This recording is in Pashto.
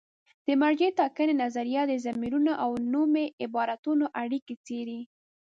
د مرجع ټاکنې نظریه د ضمیرونو او نومي عبارتونو اړیکې څېړي.